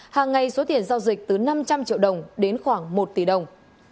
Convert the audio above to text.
hàng ngày số tiền giao dịch từ năm trăm linh triệu đồng đến khoảng một tỷ đồng